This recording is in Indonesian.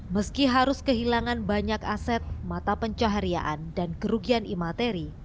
meski harus kehilangan banyak aset mata pencaharian dan kerugian imateri